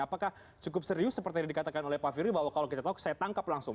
apakah cukup serius seperti yang dikatakan oleh pak firly bahwa kalau kita tahu saya tangkap langsung